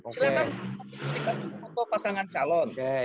silahkan dikasih foto pasangan calon